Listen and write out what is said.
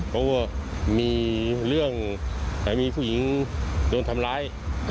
เขาก็มีเรื่องแต่มีผู้หญิงโดนทำร้าย